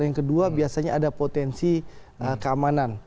yang kedua biasanya ada potensi keamanan